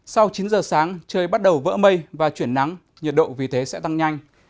sau chín giờ sáng trời bắt đầu vỡ mây và chuyển nắng nhiệt độ vì thế sẽ tăng nhanh